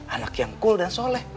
anak yang cool dan soleh